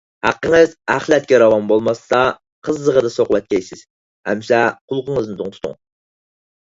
ھەققىڭىز ئەخلەتكە راۋان بولماستا قىززىغىدا سوقۇۋەتكەيسىز. ئەمسە قۇلىقىڭىزنى دىڭ تۇتۇڭ: